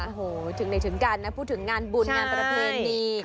โอ้โหถึงไหนถึงกันนะพูดถึงงานบุญงานประเพณี